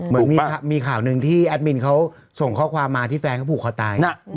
ถูกปะมีข่าวนึงที่แอดมินเค้าส่งข้อความมาที่แฟนก็ผูกพ่อตาย